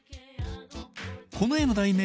この絵の題名は「